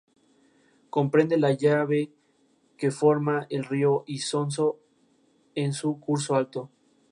Son plantas resistentes a las sequías y a los fuegos.